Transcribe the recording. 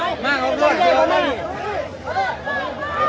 ดีท้าขอบคุณทุกคน